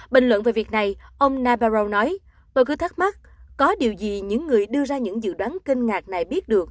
bình luận về việc này ông nabarow nói tôi cứ thắc mắc có điều gì những người đưa ra những dự đoán kinh ngạc này biết được